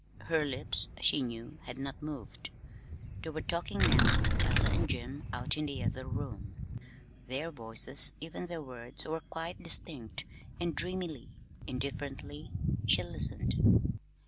Her lips, she knew, had not moved. They were talking now Ella and Jim out in the other room. Their voices, even their words, were quite distinct, and dreamily, indifferently, she listened.